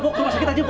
bau usah aja